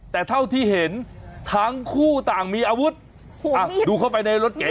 แต่เท่าที่เห็นทั้งคู่ต่างมีอาวุธดูเข้าไปในรถเก๋ง